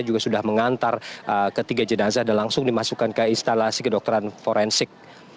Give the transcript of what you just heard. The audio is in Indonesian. juga sudah mengantar ketiga jenazah dan langsung dimasukkan ke instalasi kedokteran forensik